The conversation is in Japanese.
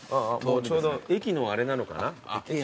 ちょうど駅のあれなのかな？